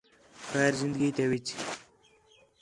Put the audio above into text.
خیر زندگی تے وِچ